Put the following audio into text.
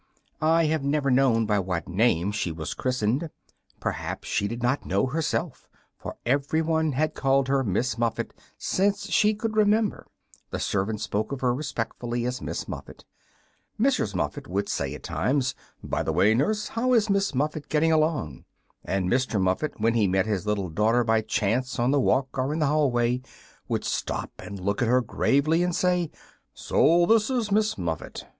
I have never known by what name she was christened. Perhaps she did not know herself, for everyone had called her "Miss Muffet" since she could remember. The servants spoke of her respectfully as Miss Muffet. Mrs. Muffet would say, at times, "By the way, Nurse, how is Miss Muffet getting along?" And Mr. Muffet, when he met his little daughter by chance on the walk or in the hallway, would stop and look at her gravely and say, "So this is Miss Muffet.